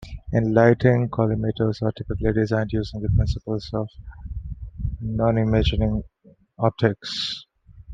In lighting, collimators are typically designed using the principles of nonimaging optics.